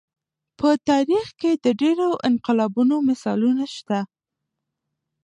په تاریخ کې د ډېرو انقلابونو مثالونه شته.